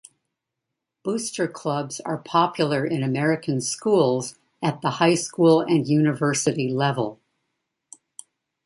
Booster clubs are popular in American schools at the high school and university level.